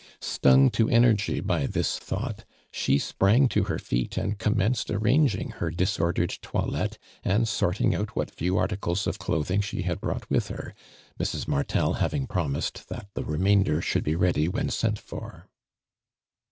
Stung to energy by this thought, she sprang to her feet and commenced armng ing her disordered toileite and sorting out what few articles of clothing she had brought with her, Mrs. Martel having promised that the remainder should be ready when ■sent for.